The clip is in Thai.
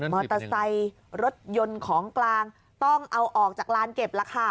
มอเตอร์ไซค์รถยนต์ของกลางต้องเอาออกจากลานเก็บล่ะค่ะ